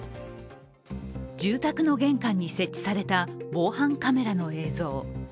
住宅の玄関に設置された防犯カメラの映像。